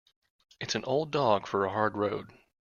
It's an old dog for a hard road.